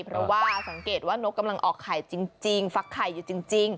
เพราะว่าสังเกตว่านกกำลังออกไข่จริงฟักไข่อยู่จริง